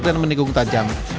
dan menikung tajam